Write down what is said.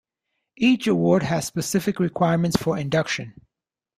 Each award has specific requirements for induction.